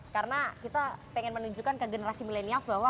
karena kita pengen menunjukkan ke generasi milenials bahwa